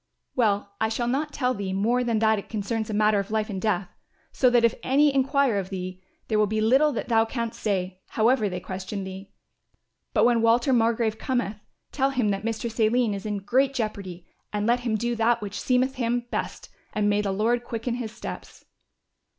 "Well, I shall not tell thee more than that it concerns a matter of life and death, so that if any enquire of thee, there will be little that thou canst say, however they question thee. But when Walter Margrove cometh, tell him that Mistress Aline is in great jeopardy and let him do that which seemeth him best and may the Lord quicken his steps."